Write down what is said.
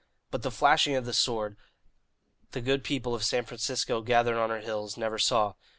But the flashing of the sword, the good people of San Francisco, gathered on her hills, never saw.